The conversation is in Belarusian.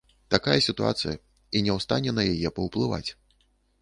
Такая сітуацыя, і не ў стане на яе паўплываць.